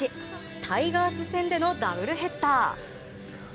タイガース戦でのダブルヘッダー。